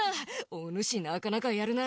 おぬしなかなかやるな。